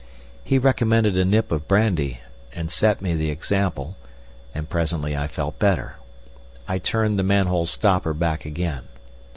He recommended a nip of brandy, and set me the example, and presently I felt better. I turned the manhole stopper back again.